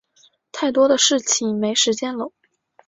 太多的事情没时间搂